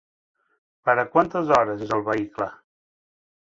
Per a quantes hores és el vehicle?